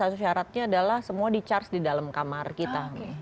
salah satu syaratnya adalah semua di charge di dalam kamar kita